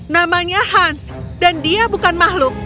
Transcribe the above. namanya hans dan dia bukan makhluk